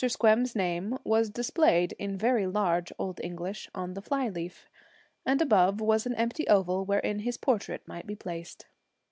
Squem's name was displayed, in very large Old English, on the fly leaf, and above was an empty oval wherein his portrait might be placed.